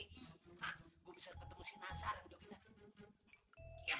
nah gue bisa ketemu si nazar yang joginya